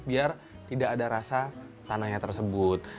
biar tidak ada rasa tanahnya tersebut